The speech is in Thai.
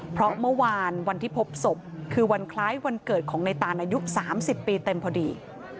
เพราะเมื่อวานวันที่พบศพคือวันคล้ายวันเกิดของในตานอายุ๓๐ปีเต็มพอดี